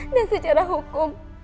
dan secara hukum